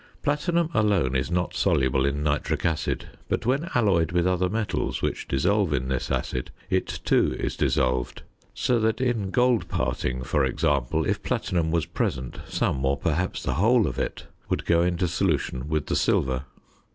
Platinum alone is not soluble in nitric acid; but when alloyed with other metals which dissolve in this acid it too is dissolved; so that in gold parting, for example, if platinum was present, some, or perhaps the whole of it would go into solution with the silver.